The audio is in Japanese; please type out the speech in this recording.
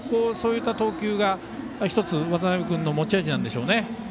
そういった投球が１つ渡邊君の持ち味なんでしょうね。